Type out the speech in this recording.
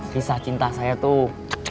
kisah cinta saya tuh